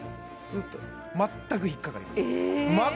スーッと全く引っ掛かりませんええ！？